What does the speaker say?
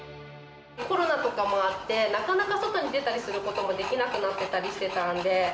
コロナとかもあって、なかなか外に出たりすることもできなくなってたりしてたんで。